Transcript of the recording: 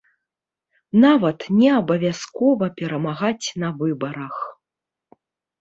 Нават не абавязкова перамагаць на выбарах.